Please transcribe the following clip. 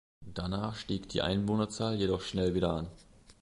Danach stieg die Einwohnerzahl jedoch schnell wieder an.